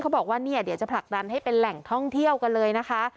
บอกว่าเนี่ยเดี๋ยวจะผลักดันให้เป็นแหล่งท่องเที่ยวกันเลยนะคะ